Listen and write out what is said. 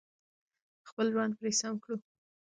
خپل ژوند پرې سم کړو.